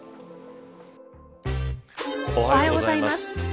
おはようございます。